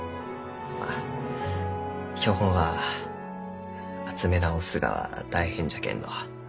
まあ標本は集め直すがは大変じゃけんど。